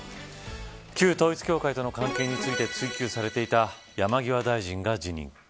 旧統一教会との関係について追及されていた山際大臣が辞任。